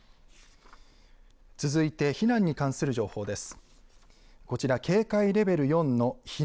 続いて避難に関する情報です。